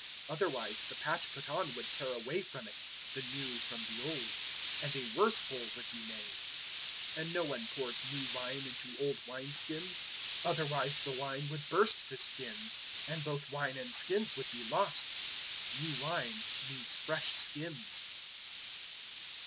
Otherwise, the patch put on would tear away from it the new from the old and a worse hole would be made. 002:022 And no one pours new wine into old wineskins. Otherwise the wine would burst the skins, and both wine and skins would be lost. New wine needs fresh skins!"